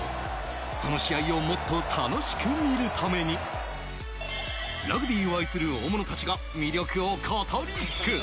その試合をもっと楽しく見るために、ラグビーを愛する大物たちが魅力を語り尽くす！